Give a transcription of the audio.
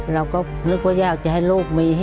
เราก็นึกว่าอยากจะให้ลูกมี